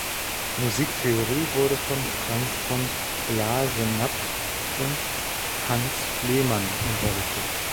Musiktheorie wurde von Franz von Glasenapp und Hans Kleemann unterrichtet.